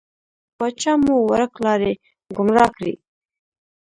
پاچا مو ورک لاری، ګمرا کړی.